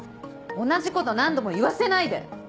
同じこと何度も言わせないで！